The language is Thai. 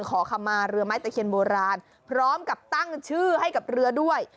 ขอคำมาเรือไม้ตะเคียนโบราณพร้อมกับตั้งชื่อให้กับเรือด้วย